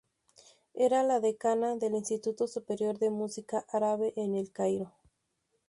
Era la decana del Instituto Superior de Música árabe en El Cairo.